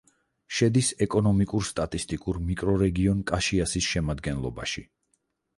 შედის ეკონომიკურ-სტატისტიკურ მიკრორეგიონ კაშიასის შემადგენლობაში.